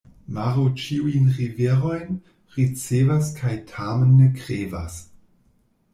Maro ĉiujn riverojn ricevas kaj tamen ne krevas.